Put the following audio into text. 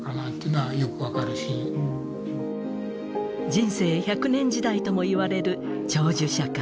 人生１００年時代ともいわれる「長寿社会」。